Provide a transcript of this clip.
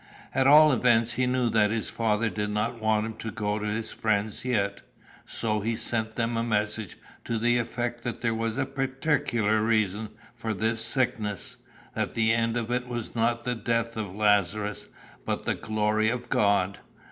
At all events he knew that his Father did not want him to go to his friends yet. So he sent them a message to the effect that there was a particular reason for this sickness that the end of it was not the death of Lazarus, but the glory of God.